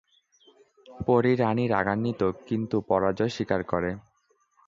পরী রানী রাগান্বিত কিন্তু পরাজয় স্বীকার করে।